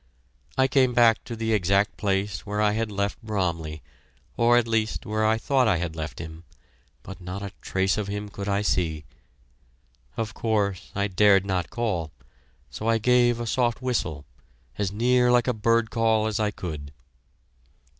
I came back to the exact place where I had left Bromley, or at least where I thought I had left him, but not a trace of him could I see. Of course, I dared not call, so I gave a soft whistle, as near like a bird call as I could.